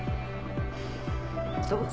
どうぞ。